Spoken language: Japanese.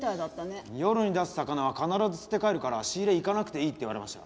「夜に出す魚は必ず釣って帰るから仕入れ行かなくていい」って言われましたよ。